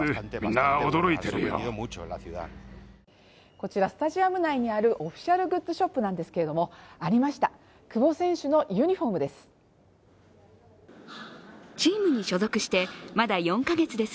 こちらスタジアム内にあるオフィシャルグッズショップなんですけれども、ありました、久保選手のユニフォームです。